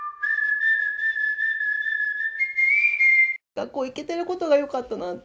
学校へ行けていることがよかったなって。